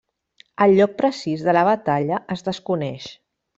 El lloc precís de la batalla es desconeix.